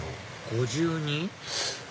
「５２」？